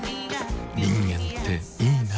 人間っていいナ。